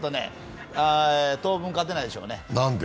当分、勝てないでしょうね。